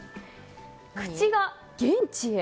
口が現地へ。